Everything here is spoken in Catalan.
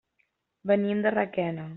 Venim de Requena.